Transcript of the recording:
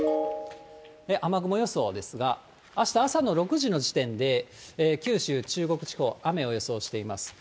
雨雲予想ですが、あした朝の６時の時点で九州、中国地方、雨を予想しています。